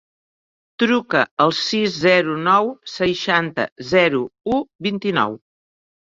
Truca al sis, zero, nou, seixanta, zero, u, vint-i-nou.